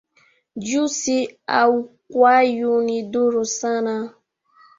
Juisi a ukwayu ni ndhuri sana